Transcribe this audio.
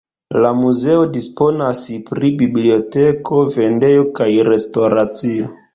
La muzeo disponas pri biblioteko, vendejo kaj restoracio.